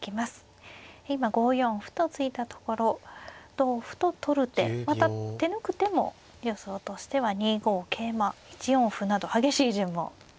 同歩と取る手また手抜く手も予想としては２五桂馬１四歩など激しい順もありますね。